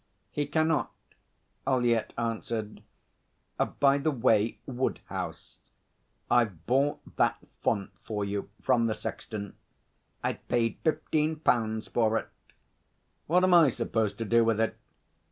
'He cannot,' Ollyett answered. 'By the way, Woodhouse, I've bought that font for you from the sexton. I paid fifteen pounds for it.' 'What am I supposed to do with it?'